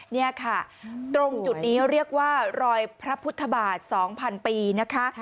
นี่ค่ะตรงจุดนี้เรียกว่ารอยพระพุทธบาท๒๐๐๐ปีนะคะ